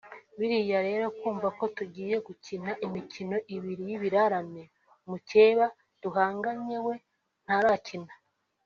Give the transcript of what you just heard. Biriya rero kumva ko tugiye gukina imikino ibiri y’ibirarane mukeba duhanganye we ntarakina